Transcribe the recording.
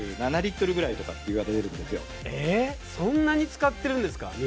そんなに使ってるんですか水。